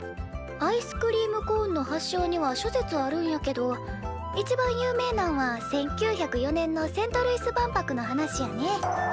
アイスクリームコーンの発祥には諸説あるんやけど一番有名なんは１９０４年のセントルイス万博の話やね。